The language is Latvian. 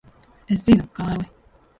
Es zinu, Kārli.